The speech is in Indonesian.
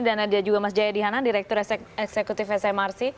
dan ada juga mas jaya dihanan direktur eksekutif smrc